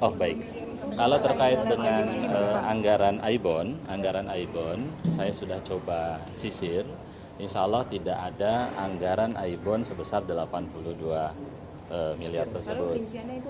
oh baik kalau terkait dengan anggaran aibon anggaran aibon saya sudah coba sisir insya allah tidak ada anggaran aibon sebesar delapan puluh dua miliar tersebut